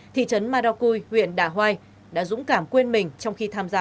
thị trấn marakui huyện đà hoai đã dũng cảm quên mình trong khi tham gia